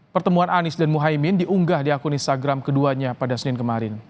pertemuan anies dan muhaymin diunggah di akun instagram keduanya pada senin kemarin